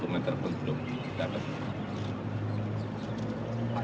satu meter pun